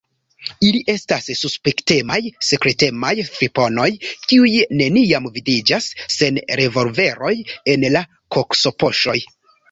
Ili estas suspektemaj, sekretemaj friponoj, kiuj neniam vidiĝas sen revolveroj en la koksopoŝoj.